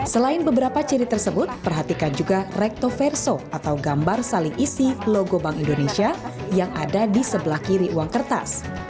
selain beberapa ciri tersebut perhatikan juga rektoverso atau gambar saling isi logo bank indonesia yang ada di sebelah kiri uang kertas